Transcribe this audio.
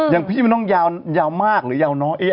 อย่างพี่มันต้องยาวมากหรือยาวน้อย